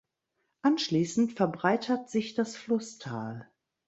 Anschließend verbreitert sich das Flusstal.